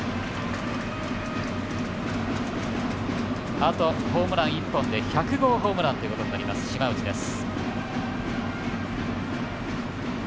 あとホームラン１本で１００号ホームランになります島内です。